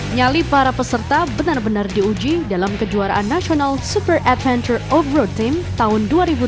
nyali para peserta benar benar diuji dalam kejuaraan nasional super adventure offroad team tahun dua ribu tujuh belas